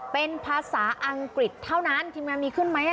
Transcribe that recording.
เป็นภาษาอังกฤษเท่านั้นทีมงานมีขึ้นไหม